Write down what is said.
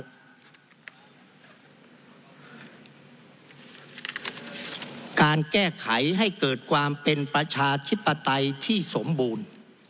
การแก้ไขให้เกิดความเป็นประชาธิปไตยที่สมบูรณ์